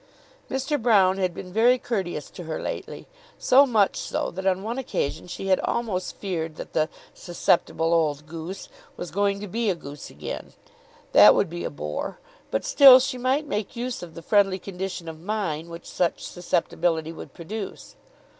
Mr. Broune had been very courteous to her lately; so much so that on one occasion she had almost feared that the "susceptible old goose" was going to be a goose again. That would be a bore; but still she might make use of the friendly condition of mind which such susceptibility would produce.